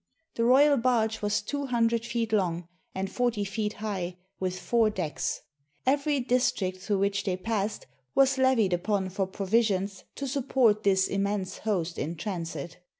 The royal barge was two hundred feet long and forty feet high, with four decks. Every district through which they passed was levied upon for provi sions to support this immense host in transit.